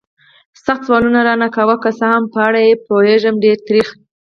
سخت سوالونه را نه کوه. که څه هم په اړه یې پوهېږم، ډېر تریخ.